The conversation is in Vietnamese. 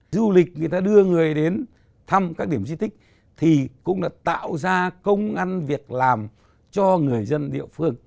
du lịch người ta đưa người đến thăm các điểm di tích thì cũng đã tạo ra công ngăn việc làm cho người dân địa phương